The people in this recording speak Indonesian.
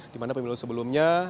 di mana pemilu sebelumnya